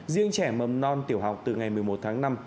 riêng trẻ mầm non tiểu học từ ngày một mươi một tháng năm